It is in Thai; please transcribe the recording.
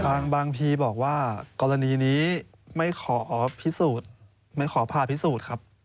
พางบางพีบอกว่ากรณีนี้ไม่ขอผิดสูตรไม่ขอผ่าผิดสูตรครับ